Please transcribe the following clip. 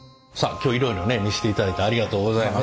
今日いろいろね見していただいてありがとうございます。